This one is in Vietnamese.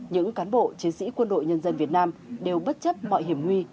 những cán bộ chiến sĩ quân đội nhân dân việt nam đều bất chấp mọi hiểm nguy